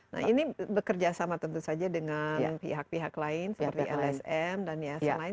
nah ini bekerjasama tentu saja dengan pihak pihak lain seperti lsm dan lain lain